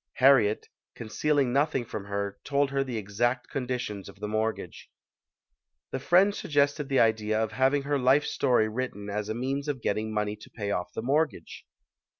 Harriet, concealing nothing from her, told her the exact conditions of the mortgage. The friend suggested the idea of having her life story written as a means of getting money to pay off the mortgage.